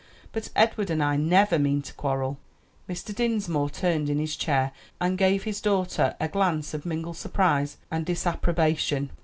But Edward and I never mean to quarrel." Mr. Dinsmore turned in his chair, and gave his daughter a glance of mingled surprise and disapprobation.